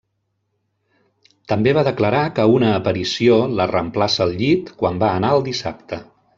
També va declarar que una aparició la reemplaça al llit quan va anar al dissabte.